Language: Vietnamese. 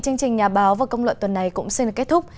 chương trình nhà báo và công luận tuần này cũng xin được kết thúc